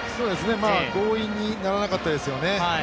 強引にならなかったですよね。